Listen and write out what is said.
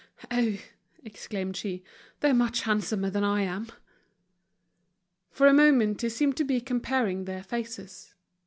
"Oh!" exclaimed she, "they're much handsomer than I am!" For a moment he seemed to be comparing their faces.